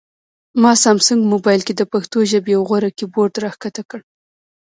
ما سامسنګ مبایل کې د پښتو ژبې یو غوره کیبورډ راښکته کړ